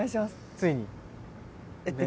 ついにね？